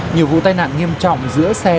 nhiều vụ tai nạn nghiêm trọng giữa xe đẩy